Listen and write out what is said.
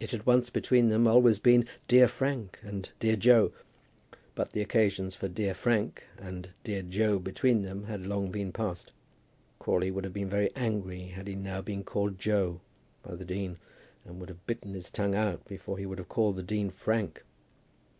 It had once between them always been "Dear Frank" and "Dear Joe;" but the occasions for "Dear Frank" and "Dear Joe" between them had long been past. Crawley would have been very angry had he now been called Joe by the dean, and would have bitten his tongue out before he would have called the dean Frank.